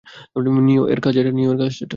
নিও এর কাজ এটা!